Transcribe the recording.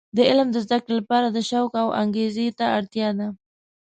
د علم د زده کړې لپاره د شوق او انګیزې ته اړتیا ده.